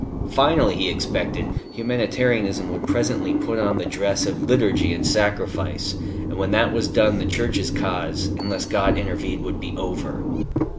Finally, he expected, Humanitarianism would presently put on the dress of liturgy and sacrifice, and when that was done, the Church's cause, unless God intervened, would be over.